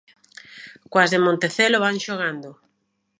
Coas de Montecelo van xogando.